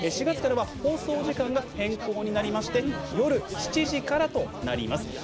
４月からは放送時間が変更になりまして夜７時からとなります。